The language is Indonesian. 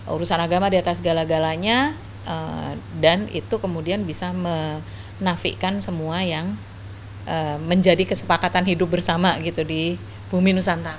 urusan agama di atas segala galanya dan itu kemudian bisa menafikan semua yang menjadi kesepakatan hidup bersama gitu di bumi nusantara